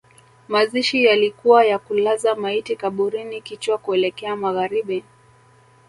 Mazishi yalikuwa ya kulaza maiti kaburini kichwa kuelekea magharibi